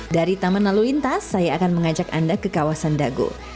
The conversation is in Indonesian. dari taman lalu lintas saya akan mengajak anda ke kawasan dago